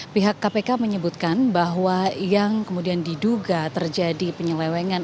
pihak kpk menyebutkan bahwa yang kemudian diduga terjadi penyelewengan